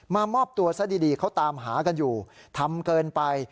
มอบตัวซะดีเขาตามหากันอยู่ทำเกินไป